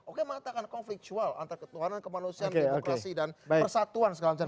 oke mengatakan konflik jual antar ketuhanan kemanusiaan demokrasi dan persatuan segala macam